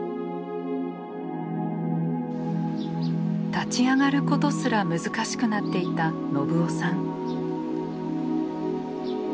立ち上がることすら難しくなっていた信男さん。